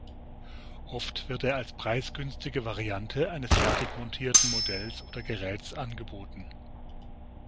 Oft wird er als preisgünstige Variante eines fertig montierten Modells oder Geräts angeboten.